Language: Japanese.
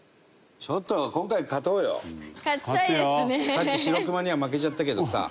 さっきシロクマには負けちゃったけどさ。